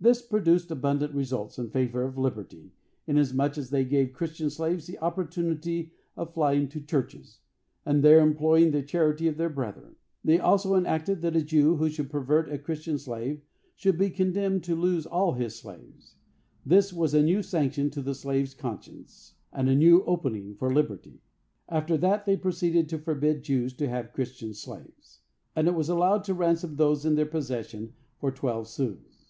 This produced abundant results in favor of liberty, inasmuch as they gave Christian slaves the opportunity of flying to churches, and there imploring the charity of their brethren. They also enacted that a Jew who should pervert a Christian slave should be condemned to lose all his slaves. This was a new sanction to the slave's conscience, and a new opening for liberty. After that, they proceeded to forbid Jews to have Christian slaves, and it was allowed to ransom those in their possession for twelve sous.